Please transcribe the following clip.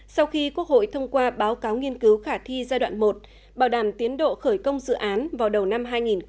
sau khi quốc hội thông qua báo cáo nghiên cứu khả thi giai đoạn một bảo đảm tiến độ khởi công dự án vào đầu năm hai nghìn hai mươi